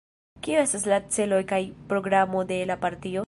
Kio estas la celoj kaj programo de la partio?